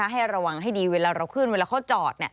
ให้ระวังให้ดีเวลาเราขึ้นเวลาเขาจอด